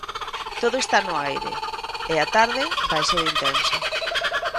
Todo está no aire e a tarde vai ser intensa.